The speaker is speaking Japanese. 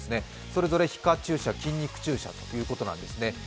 それぞれ皮下注射筋肉注射ということなんですね。